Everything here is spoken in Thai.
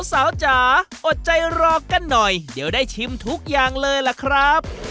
สาวจ๋าอดใจรอกันหน่อยเดี๋ยวได้ชิมทุกอย่างเลยล่ะครับ